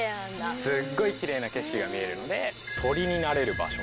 すっごいキレイな景色が見えるので。